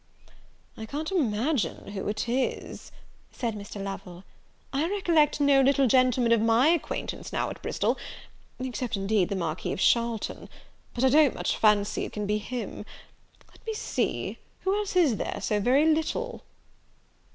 "I can't imagine who it is," said Mr. Lovel: "I recollect no little gentleman of my acquaintance now at Bristol, except, indeed the Marquis of Charlton; but I don't much fancy it can be him. Let me see, who else is there so very little?"